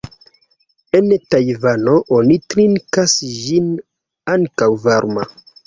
En Tajvano oni trinkas ĝin ankaŭ varma.